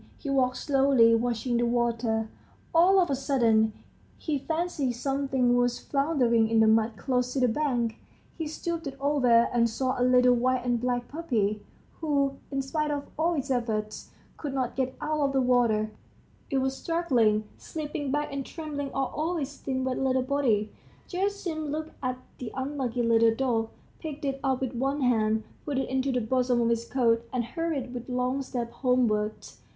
He walked slowly, watching the water. All of a sudden he fancied something was floundering in the mud close to the bank. He stooped over, and saw a little white and black puppy, who, in spite of all its efforts, could not get out of the water; it was struggling, slipping back, and trembling all over its thin wet little body. Gerasim looked at the unlucky little dog, picked it up with one hand, put it into the bosom of his coat, and hurried with long steps homewards.